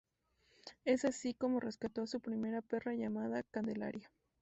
Es así, como rescató a su primera perra llamada Candelaria.